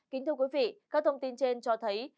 kính thưa quý vị các thông tin trên cho thấy